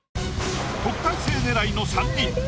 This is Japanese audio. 特待生狙いの３人。